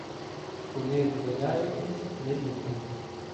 Коли зволяєтесь — веліте